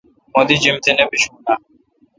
مہ دی جیم تہ نہ بیشون آں؟